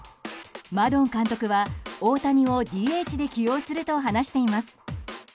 マドン監督は大谷をＤＨで起用すると話しています。